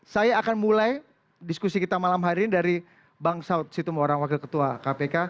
saya akan mulai diskusi kita malam hari ini dari bang saud situmorang wakil ketua kpk